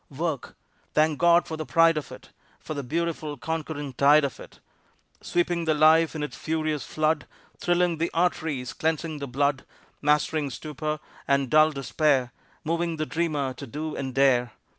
Work! Thank God for the pride of it, For the beautiful, conquering tide of it. Sweeping the life in its furious flood, Thrilling the arteries, cleansing the blood, Mastering stupor and dull despair, Moving the dreamer to do and dare.